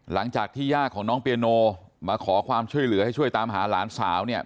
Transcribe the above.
ย่าของน้องเปียโนมาขอความช่วยเหลือให้ช่วยตามหาหลานสาวเนี่ย